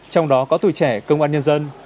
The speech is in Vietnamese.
trong đó có tuổi trẻ công an nhân dân